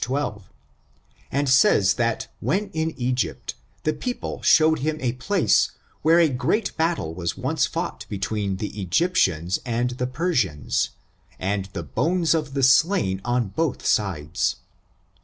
12, and says, that when in Egypt, the people show ed him a place where a great battle was once fought between the Egyptians and the Persians, and the bones of the slain, on both sides.